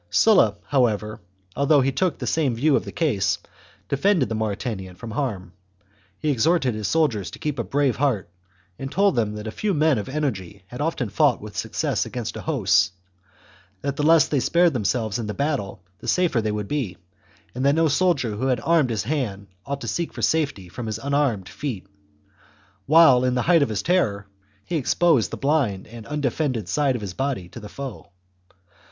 Sulla, however, althoup h he took the CVII. '' o same view of the case, defended the Mauritanian from harm. He exhorted his soldiers to keep a brave heart, and told them that a few men of energy had often fought with success against a host, that the less they spared themselves in the battle the safer they would be, and that no soldier who had armed his hand ought to seek for safety from his unarmed feet, while, in the height of his terror, he exposed the blind and undefended side of his body to the foe.